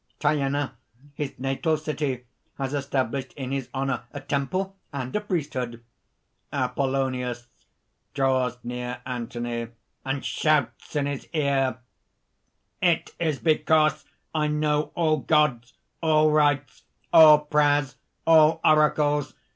"Thyana, his natal city, has established in his honor a temple and a priesthood!" APOLLONIUS (draws near Anthony, and shouts in his ear: ) "It is because I know all gods, all rites, all prayers, all oracles!